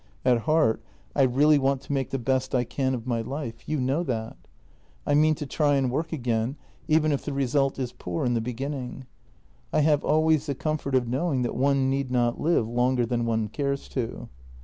At heart I really want to make the best I can of my life JENNY 271 — you know that. I mean to try and work again, even if the result is poor in the beginning. I have always the comfort of knowing that one need not live longer than one cares to."